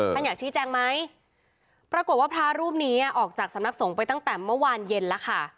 อยากชี้แจงไหมปรากฏว่าพระรูปนี้ออกจากสำนักสงฆ์ไปตั้งแต่เมื่อวานเย็นแล้วค่ะ